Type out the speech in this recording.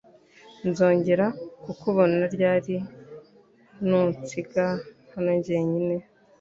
Nzongera kukubona ryari nutsiga hano jye nyine